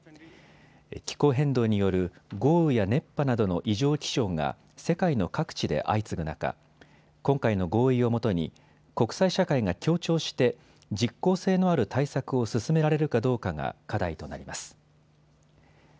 気候変動による豪雨や熱波などの異常気象が世界の各地で相次ぐ中、今回の合意をもとに国際社会が協調して実効性のある対策を進められるかどうかが課題となります。